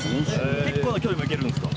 結構な距離もいけるんすか？